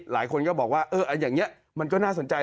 หลายคนก็บอกว่าอย่างนี้มันก็น่าสนใจ